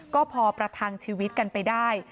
ก็พอประทังชีวิตกันไปได้